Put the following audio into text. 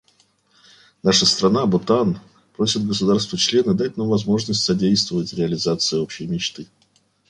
Наша страна, Бутан, просит государства-члены дать нам возможность содействовать реализации общей мечты.